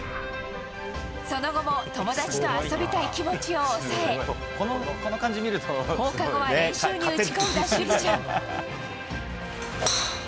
その後も友達と遊びたい気持ちを抑え、放課後は練習に打ち込んだ朱莉ちゃん。